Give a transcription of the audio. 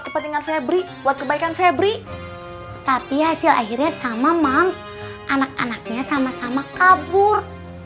kepentingan febri buat kebaikan febri tapi hasil akhirnya sama mam anak anaknya sama sama kabur